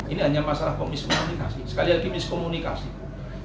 ini hanya masalah komisionerminasi sekali lagi miskomunikasi